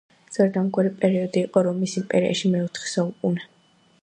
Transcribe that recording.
სწორედ ამგვარი პერიოდი იყო რომის იმპერიაში მეოთხე საუკუნე.